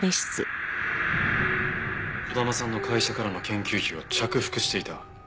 児玉さんの会社からの研究費を着服していた？